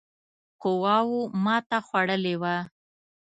قواوو ماته خوړلې وه.